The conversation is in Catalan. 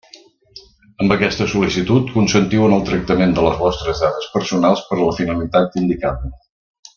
Amb aquesta sol·licitud consentiu en el tractament de les vostres dades personals per a la finalitat indicada.